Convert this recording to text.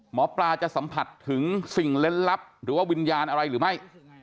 หมอปลาจะสัมผัสถึงสิ่งเล่นลับหรือว่าวิญญาณอะไรหรือไม่